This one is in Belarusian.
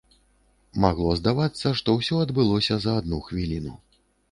Магло здавацца, што ўсё адбылося за адну хвіліну.